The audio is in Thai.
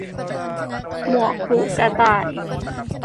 หมวกหูกระต่าย